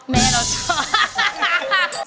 แม่เราชอบ